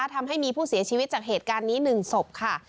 ทำให้มีผู้เสียชีวิตจากเหตุการณ์นี้๑ศพค่ะ